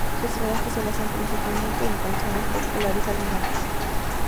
Sus trabajos se basan principalmente en canciones populares alemanas.